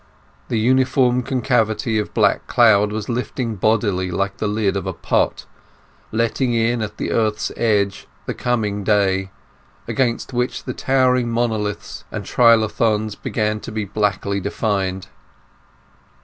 The uniform concavity of black cloud was lifting bodily like the lid of a pot, letting in at the earth's edge the coming day, against which the towering monoliths and trilithons began to be blackly defined.